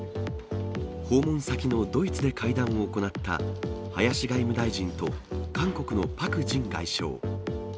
訪問先のドイツで会談を行った、林外務大臣と韓国のパク・ジン外相。